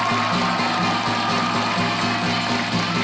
วันนี้ข้ามาขอยืมของสำคัญ